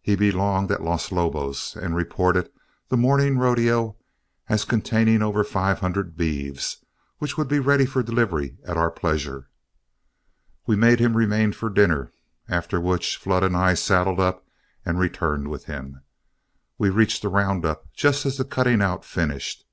He belonged at Los Lobos, and reported the morning rodeo as containing over five hundred beeves, which would be ready for delivery at our pleasure. We made him remain for dinner, after which Flood and I saddled up and returned with him. We reached the round up just as the cutting out finished.